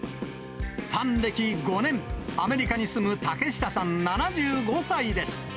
ファン歴５年、アメリカに住む竹下さん７５歳です。